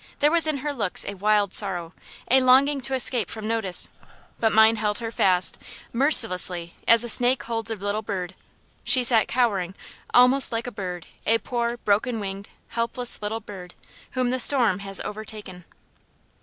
There was in her looks a wild sorrow a longing to escape from notice; but mine held her fast, mercilessly, as a snake holds a little bird. She sat cowering, almost like a bird, a poor, broken winged, helpless little bird whom the storm has overtaken.